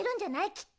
きっと。